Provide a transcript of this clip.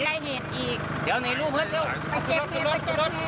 มาเช็บเห็ดมาเช็บเห็ด